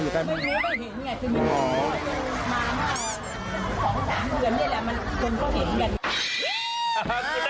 ไม่รู้ไม่เห็นไงคือมีงูมามา๒๓เหมือนนี่แหละ